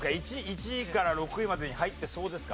１位から６位までに入ってそうですか？